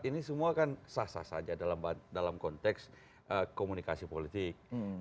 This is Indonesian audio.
ini semua kan sah sah saja dalam konteks komunikasi politik